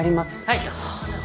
はい！